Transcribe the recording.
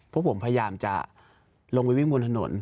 พวกผมพยายามจะลงไปวิ่งบนถนน